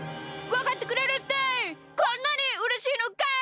わかってくれるってこんなにうれしいのか！